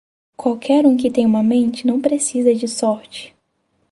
Qualquer um que tenha uma mente não precisa de sorte.